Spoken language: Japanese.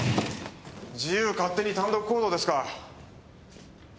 自由勝手に単独行動ですか。